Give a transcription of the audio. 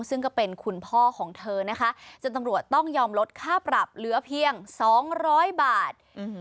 ซึ่งก็เป็นคุณพ่อของเธอนะคะจนตำรวจต้องยอมลดค่าปรับเหลือเพียง๒๐๐บาท